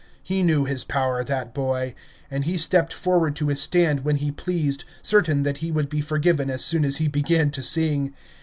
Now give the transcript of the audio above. He knew his power, that boy; and he stepped forward to his stand when he pleased, certain that he would be forgiven as soon as he began to sing.